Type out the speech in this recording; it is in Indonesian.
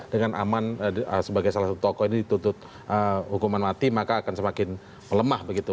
dengan aman sebagai salah satu tokoh ini dituntut hukuman mati maka akan semakin melemah begitu